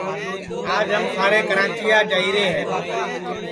آج ہم سارے کراچیا جائیرے ہے